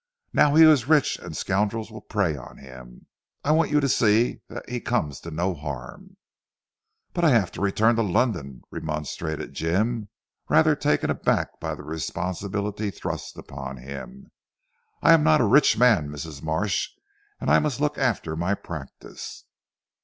Now he is rich and scoundrels will prey on him. I want you to see he comes to no harm." "But I have to return to London," remonstrated Jim, rather taken aback by the responsibility thrust upon him. "I am not a rich man Mrs. Marsh, and I must look after my practice."